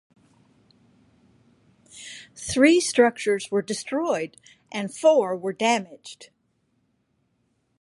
Three structures were destroyed and four were damaged.